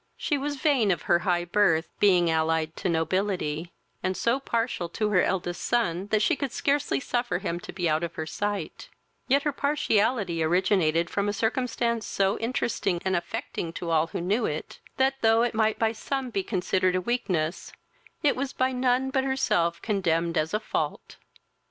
She was vain of her high birth, being allied to nobility; and so partial to her eldest son, that she could scarcely suffer him to be out of her sight; yet her partiality originated from a circumstance so interesting and affecting to all who knew it, that, though it might by some be considered as a weakness, it was by none but herself condemned as a fault.